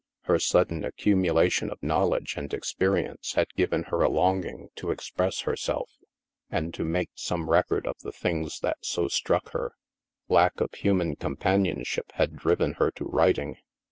Her sudden accumulation of knowl edge and experience had given her a longing to ex HAVEN 279 press herself and to make some record of the things that so struck her. Lack of human companionship had driven her to writing.